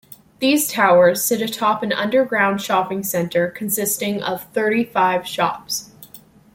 These towers sit atop an underground shopping centre consisting of thirty-five shops.